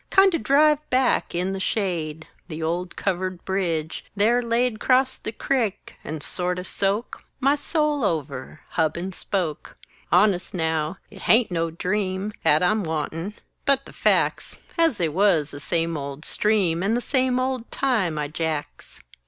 Kindo' drive back in the shade "The old Covered Bridge" there laid Crosst the crick, and sorto' soak My soul over, hub and spoke! Honest, now! it haint no dream 'At I'm wantin', but the fac's As they wuz; the same old stream, And the same old times, i jacks!